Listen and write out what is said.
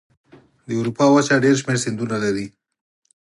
د اروپا وچه ډېر شمیر سیندونه لري.